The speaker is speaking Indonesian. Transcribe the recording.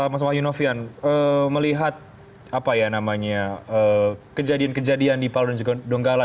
maswallyu nofian melihat apa ya namanya kejadian kejadian di palu dan juga donggala